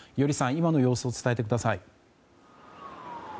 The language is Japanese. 今の様子を伝えてください。